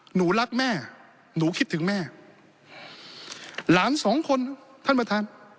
หนูรักแม่หนูคิดถึงแม่หลานสองคนท่านประธาน